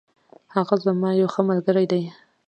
هغه زما یو ښه ملگری دی.